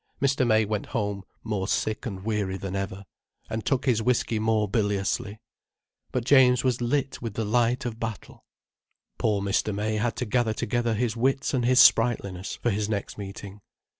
Mr. May went home more sick and weary than ever, and took his whiskey more biliously. But James was lit with the light of battle. Poor Mr. May had to gather together his wits and his sprightliness for his next meeting.